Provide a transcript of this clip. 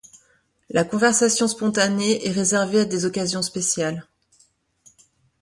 La conversation spontanée est réservée à des occasions spéciales.